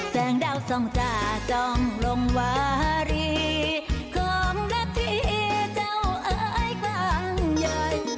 แสงดาวทรงจาจองลงหวาลีของนับที่เจ้าไอ้คลังใหญ่